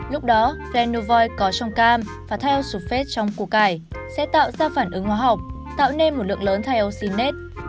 lúc đó phrenovoy có trong cam và thai eosulfate trong củ cải sẽ tạo ra phản ứng hóa học tạo nên một lượng lớn thai eosinase